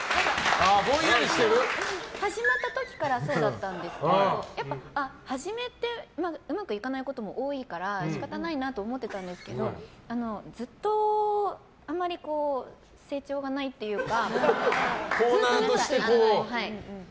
始まった時からそうだったんですけどやっぱ、初めってうまくいかないことも多いから仕方ないなと思ってたんですけどずっとあんまりこう成長がないというか。